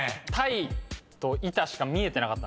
いたしか見えてなかった。